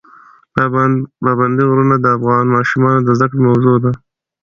پابندي غرونه د افغان ماشومانو د زده کړې موضوع ده.